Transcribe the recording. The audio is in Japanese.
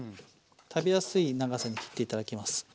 食べやすい長さに切って頂きます。